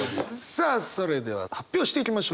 さあそれでは発表していきましょう。